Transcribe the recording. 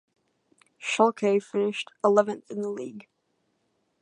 Schalke finished eleventh in the league.